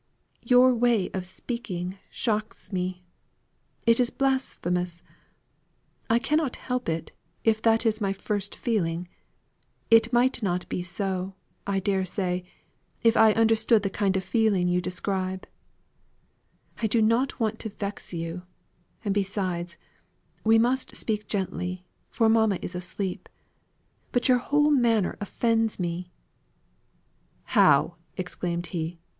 "Your way of speaking shocks me. It is blasphemous. I cannot help it, if that is my first feeling. It might not be so, I dare say, if I understood the kind of feeling you describe. I do not want to vex you; and besides, we must speak gently, for mamma is asleep; but your whole manner offends me " "How!" exclaimed he.